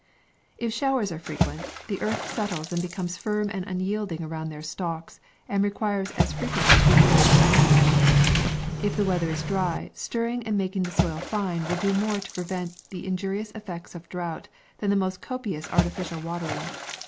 If showers are frequent, the earth settles and becomes firm and unyielding around their stalks, and requires as frequently to be moved and loosened ; if the weather is dry, stirring and making the soil fine will do more to pre vent the injurious effects of drought, than the most copious artificial watering.